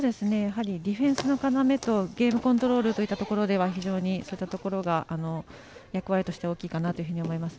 ディフェンスの要とゲームコントロールというとこで非常にそういったところが役割としては大きいかなと思います。